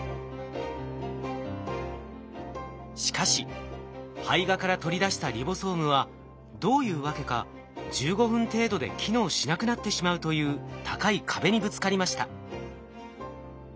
しかし胚芽から取り出したリボソームはどういうわけか１５分程度で機能しなくなってしまうという高い壁にぶつかりました。